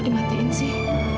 kok dimatikan sih